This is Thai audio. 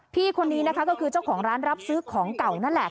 พี่คนนี้นะคะก็คือเจ้าของร้านรับซื้อของเก่านั่นแหละ